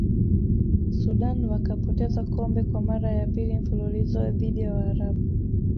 sudan wakapoteza kombe kwa mara ya pili mfululizo dhidi ya waarabu